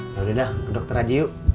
yaudah yaudah ke dokter aja yuk